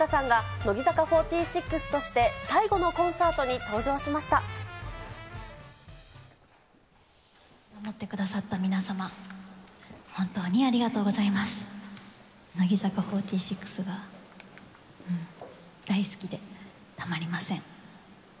乃木坂４６が大好きでたまりません。